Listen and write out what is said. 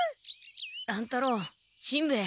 乱太郎しんべヱ。